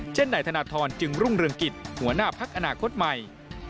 เช่นนายธนทรจึงรุ่งเรืองกิจหัวหน้าพักอนาคตใหม่